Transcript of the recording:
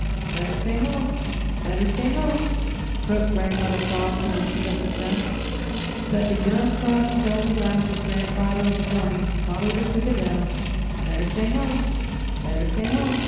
"Better stay home, better stay home," croaked Grandfather Frog from his seat on the stump, but the young froggies only laughed as grandfather's warning followed them through the dell "Better stay home, better stay home."